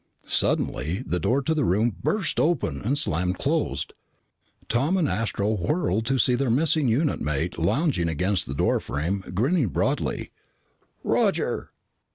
Suddenly the door to the room burst open and slammed closed. Tom and Astro whirled to see their missing unit mate lounging against the doorframe, grinning broadly. "Roger!"